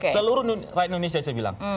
seluruh rakyat indonesia saya bilang